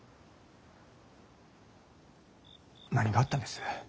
何があったんです？